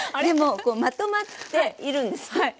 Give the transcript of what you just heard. でもまとまっているんですね。